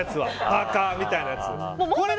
パーカみたいなやつ。